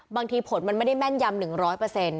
ผลมันไม่ได้แม่นยำ๑๐๐